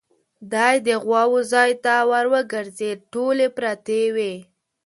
دی د غواوو ځای ته ور وګرځېد، ټولې پرتې وې.